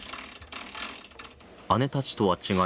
姉たちとは違い